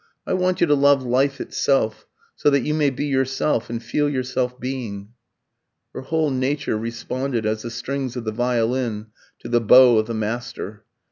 I want you to love life itself, so that you may be yourself, and feel yourself being." Her whole nature responded as the strings of the violin to the bow of the master.